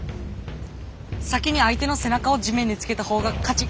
先に相手の背中を地面につけた方が勝ち。